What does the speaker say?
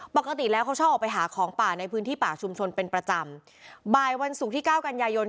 ปกติแล้วเขาชอบออกไปหาของป่าในพื้นที่ป่าชุมชนเป็นประจำบ่ายวันศุกร์ที่เก้ากันยายน